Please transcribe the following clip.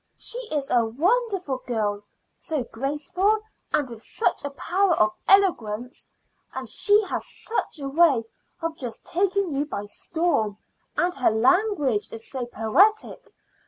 She is a wonderful girl so graceful, and with such a power of eloquence. And she has such a way of just taking you by storm; and her language is so poetic.